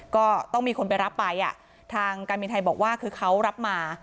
ก็ต้องมีคนไปรับไปทางการบินไทยบอกว่าคือเขารับมา